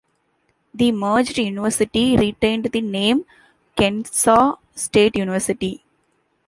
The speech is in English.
The merged university retained the name Kennesaw State University.